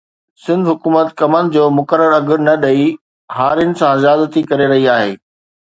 سنڌ حڪومت ڪمند جو مقرر اگهه نه ڏئي هارين سان زيادتي ڪري رهي آهي